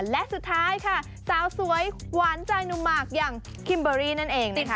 และสุดท้ายค่ะสาวสวยหวานใจหนุ่มหมากอย่างคิมเบอรี่นั่นเองนะคะ